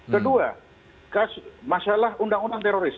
kedua masalah undang undang teroris